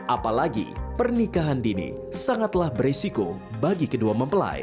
apalagi pernikahan dini sangatlah berisiko bagi kedua mempelai